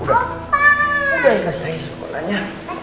udah selesai sekolahnya